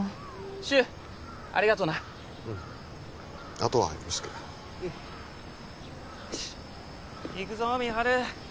柊ありがとうなうんあとはよろしくうんよし行くぞ美晴